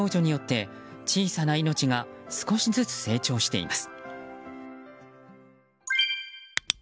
１人の少女によって、小さな命が少しずつ成長しています。